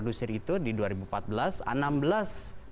dulu pak jokowi pernah menginterduksi itu di dua ribu empat belas